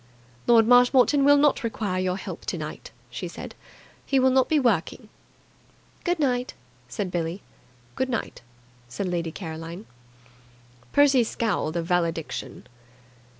"Lord Marshmoreton will not require your help tonight," she said. "He will not be working." "Good night," said Billie. "Good night," said Lady Caroline. Percy scowled a valediction.